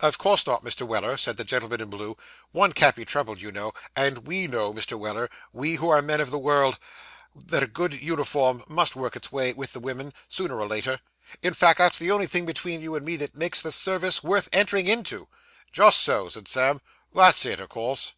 'Of course not, Mr. Weller,' said the gentleman in blue, 'one can't be troubled, you know; and we know, Mr. Weller we, who are men of the world that a good uniform must work its way with the women, sooner or later. In fact, that's the only thing, between you and me, that makes the service worth entering into.' 'Just so,' said Sam. 'That's it, o' course.